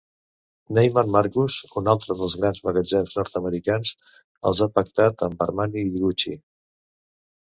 Neiman Marcus, un altre dels grans magatzems nord-americans, els ha pactat amb Armani i Gucci.